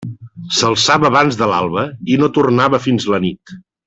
S'alçava abans de l'alba i no tornava fins a la nit.